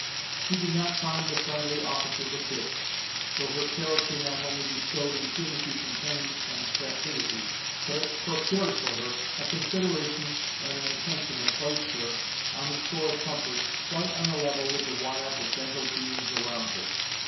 She did not find the friendly offices of Hist, though her character not only bestowed impunity from pain and captivity, but it procured for her a consideration and an attention that placed her, on the score of comfort, quite on a level with the wild but gentle beings around her.